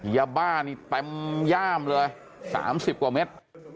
เยอะบ้านี่แปมย่ามเลยสามสิบกว่าเม็ด